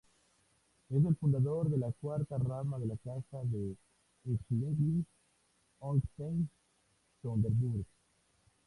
Es el fundador de la cuarta rama de la Casa de Schleswig-Holstein-Sonderburg.